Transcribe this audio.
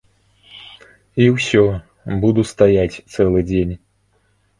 І ўсё, буду стаяць цэлы дзень.